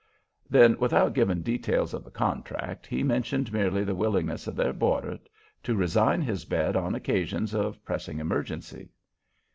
Then, without giving details of the contract, he mentioned merely the willingness of their boarder to resign his bed on occasions of pressing emergency.